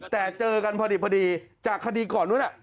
แต่เจอกันพอดีจากคดีก่อนนู้น